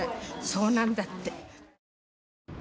そうなんだって。